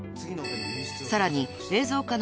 ［さらに］